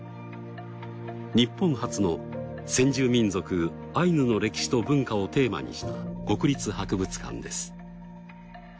日本初の先住民族アイヌの歴史と文化をテーマにした国立博物館です。